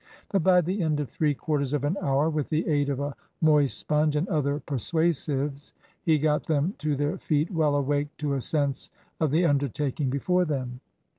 But by the end of three quarters of an hour, with the aid of a moist sponge and other persuasives, he got them to their feet well awake to a sense of the undertaking before them.